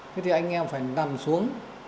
thế thì anh em phải nằm xuống